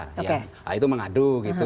nah itu mengadu gitu